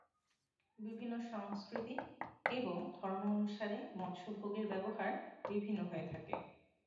বিভিন্ন সংস্কৃতি এবং ধর্ম অনুসারে মাংস ভোগের ব্যবহার বিভিন্ন হয়ে থাকে।